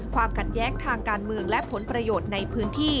ความขัดแย้งทางการเมืองและผลประโยชน์ในพื้นที่